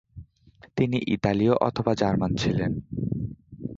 তিনি ইতালীয় অথবা জার্মান ছিলেন।